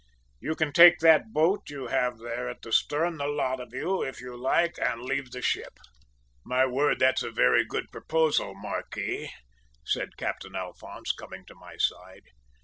`You can take that boat you have there at the stern, the lot of you, if you like, and leave us the ship.' "`My word, that's a very good proposal, marquis,' said Captain Alphonse, coming to my side.